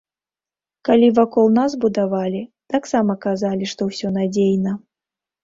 Калі вакол нас будавалі, таксама казалі, што ўсё надзейна.